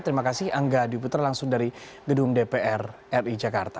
terima kasih angga dwi putra langsung dari gedung dpr ri jakarta